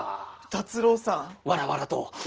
辰郎さん！